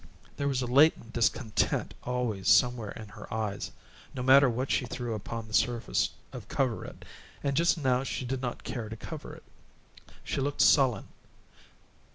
There was a latent discontent always somewhere in her eyes, no matter what she threw upon the surface of cover it, and just now she did not care to cover it; she looked sullen.